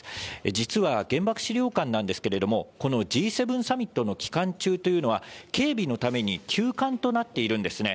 実は、原爆資料館なんですけれども、このＧ７サミットの期間中というのは、警備のために休館となっているんですね。